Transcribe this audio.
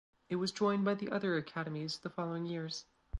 It was joined by the other academies the following years.